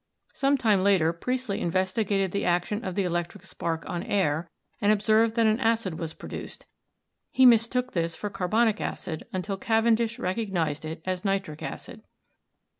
Some time later Priestly investigated the action of the electric spark on air and observed that an acid was produced; he mistook this for carbonic acid, until Cavendish recognised it as nitric acid.